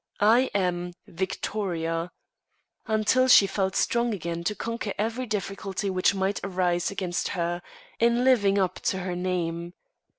I am Victoria," until she felt strong again to conquer every difficulty which might rise against her, in living up to her name.